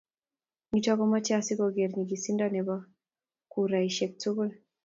Nito komache asikoker nyikisindo nebo kuraisiek tukul